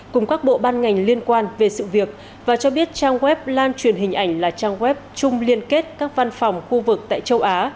cùng các bộ ban ngành liên quan về sự việc và cho biết trang web lan truyền hình ảnh là trang web chung liên kết các văn phòng khu vực tại châu á